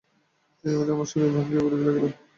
ইতোমধ্যে আমার শরীর ভাঙিয়া পড়িতে লাগিল।